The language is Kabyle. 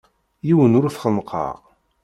Yiwen ur t-xennqeɣ.